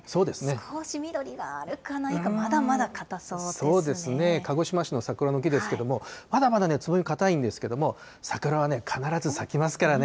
少し緑があるかないか、そうですね、鹿児島市の桜の木ですけれども、まだまだつぼみ、かたいんですけれども、桜は必ず咲きますからね。